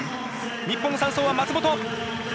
日本の３走は松本！